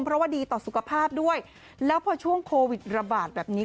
เพราะว่าดีต่อสุขภาพด้วยแล้วพอช่วงโควิดระบาดแบบนี้